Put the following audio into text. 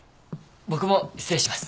僕も失礼します。